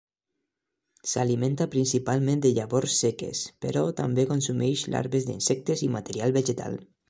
S'alimenta principalment de llavors seques, però també consumeix larves d'insectes i material vegetal.